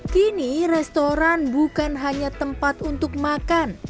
kini restoran bukan hanya tempat untuk makan